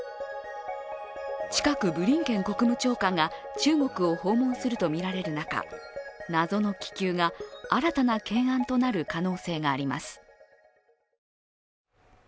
近くブリンケン国務長官が中国を訪問するとみられる中、謎の気球が新たな懸案となる可能性があります。